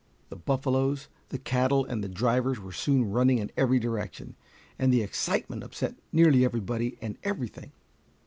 The buffaloes, the cattle, and the drivers were soon running in every direction, and the excitement upset nearly everybody and everything.